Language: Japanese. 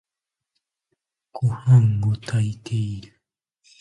ごはんを炊いている。